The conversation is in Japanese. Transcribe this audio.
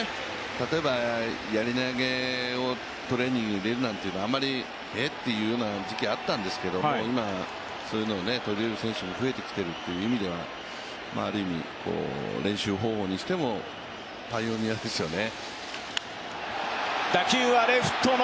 例えばやり投げをトレーニングを入れるなんていうのは、あんまり、えっという時期があったんですけど、今、そういうのを取り入れる選手が増えてきているというのはある意味、練習方法にしてもパイオニアですよね。